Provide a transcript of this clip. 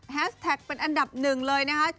แท็กเป็นอันดับหนึ่งเลยนะคะ